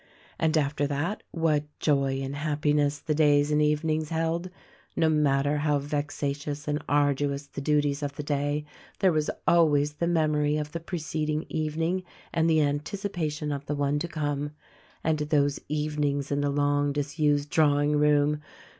And after that, what joy and happiness the days and even ings held ! No matter how vexatious and arduous the duties THE RECORDING ANGEL 189 of the day, there was always the memory of the preceding evening and the anticipation of the one to come. And those evenings in the long disused drawing room